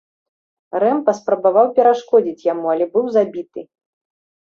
Рэм паспрабаваў перашкодзіць яму, але быў забіты.